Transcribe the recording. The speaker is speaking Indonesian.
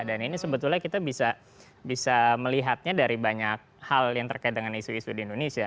dan ini sebetulnya kita bisa melihatnya dari banyak hal yang terkait dengan isu isu di indonesia